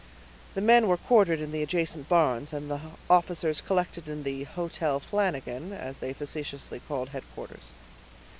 The men were quartered in the adjacent barns, and the officers collected in the "Hotel Flanagan," as they facetiously called headquarters.